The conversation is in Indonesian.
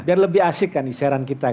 biar lebih asik kan isaran kita kan